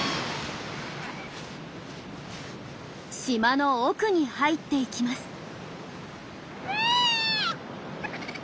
島の奥に入っていきます。